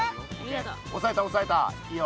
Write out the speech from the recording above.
おさえたおさえたいいよ。